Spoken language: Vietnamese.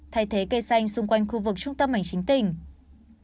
thay thế cây xanh xung quanh khu vực trung tâm hành chính tỉnh